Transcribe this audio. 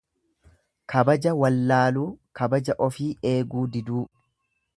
Kabaja wallaaluu, kabaja ofii eeguu diduu.